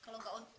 lupa dia tuh